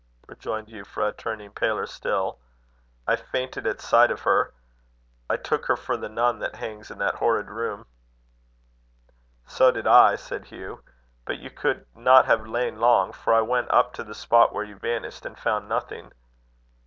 rejoined Euphra, turning paler still. "I fainted at sight of her. I took her for the nun that hangs in that horrid room." "So did I," said Hugh. "But you could not have lain long; for I went up to the spot where you vanished, and found nothing."